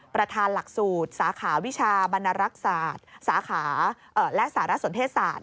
ประธานหลักสูตรสาขาวิชาบรรณรักษาสาขาและสารสนเทศศาสต